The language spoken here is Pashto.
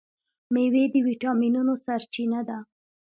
میوې د ویټامینونو سرچینه ده.